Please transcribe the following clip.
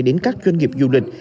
đến các doanh nghiệp du lịch